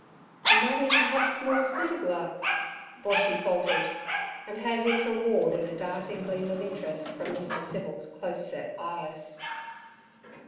'Money perhaps more suitabler?' Boshy faltered, and had his reward in a darting gleam of interest from Mr. Civil's close set eyes.